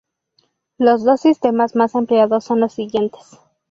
Los dos sistemas más empleados son los siguientes.